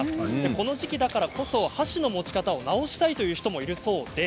この時期だからこそ箸の持ち方を直したいという方もいるそうです。